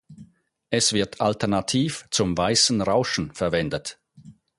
Es wird alternativ zum weißen Rauschen verwendet.